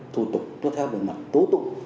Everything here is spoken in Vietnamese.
thủ tục nó theo bằng mặt tố tục